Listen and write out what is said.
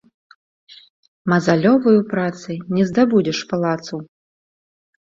Мазалёваю працай не здабудзеш палацаў